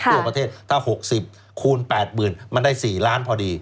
ทั่วประเทศถ้า๖๐คูณ๘๐๐๐มันได้๔ล้านพอดี